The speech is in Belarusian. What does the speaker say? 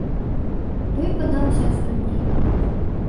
Той падаўся ад студні.